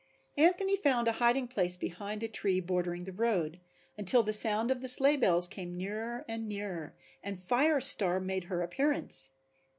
Anthony found a hiding place behind a tree bordering the road, until the sound of the sleigh bells came nearer and nearer, and Fire Star made her appearance.